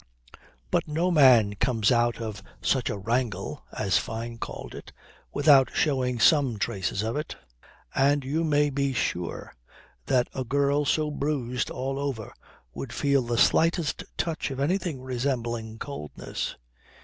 But no man comes out of such a 'wrangle' (as Fyne called it) without showing some traces of it. And you may be sure that a girl so bruised all over would feel the slightest touch of anything resembling coldness.